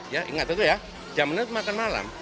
ya ingat itu ya jam enam itu makan malam